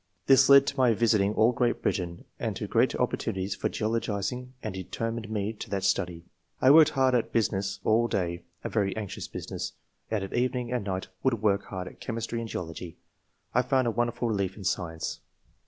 This led to my visiting all Great Britain, and to great opportunities for geolo gising and determined me to that study. I M 2 164 ENGLISH MEN OF SCIENCE. [chap. worked hard at business all day (a very anxious business), and at evening and night would work hard at chemistry and geology. I found a won derful relief in science."